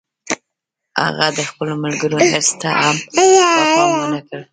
هغه د خپلو ملګرو حرص ته هم پام و نه کړ